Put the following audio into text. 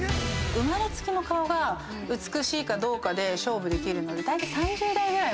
生まれつきの顔が美しいかどうかで勝負できるのってだいたい３０代ぐらいまで。